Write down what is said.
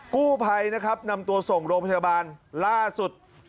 กู้ภัยนะครับนำตัวส่งโรงพยาบาลล่าสุด